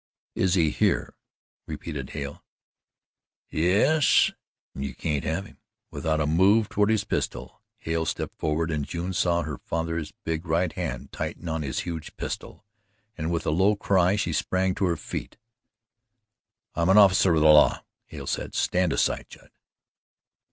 "Is he here?" repeated Hale. "Yes, an' you can't have him." Without a move toward his pistol Hale stepped forward, and June saw her father's big right hand tighten on his huge pistol, and with a low cry she sprang to her feet. "I'm an officer of the law," Hale said, "stand aside, Judd!"